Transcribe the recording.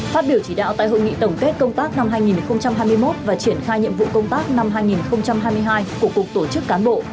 phát biểu chỉ đạo tại hội nghị tổng kết công tác năm hai nghìn hai mươi một và triển khai nhiệm vụ công tác năm hai nghìn hai mươi hai của cục tổ chức cán bộ